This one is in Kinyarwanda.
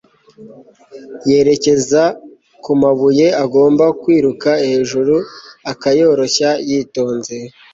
yerekeza kumabuye agomba kwiruka hejuru, akayoroshya yitonze